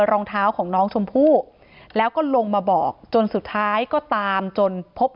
รองเท้าของน้องชมพู่แล้วก็ลงมาบอกจนสุดท้ายก็ตามจนพบ